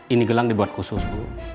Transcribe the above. ini gelang dibuat khusus bu